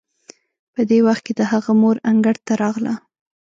په دې وخت کې د هغه مور انګړ ته راغله.